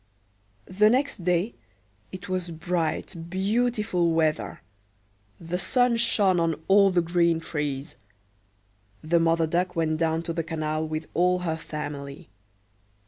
The next day, it was bright, beautiful weather; the sun shone on all the green trees. The Mother Duck went down to the canal with all her family.